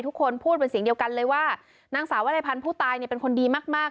ทุกคนพูดเป็นเสียงเดียวกันเลยว่านางสาววรัยพันธ์ผู้ตายเนี่ยเป็นคนดีมาก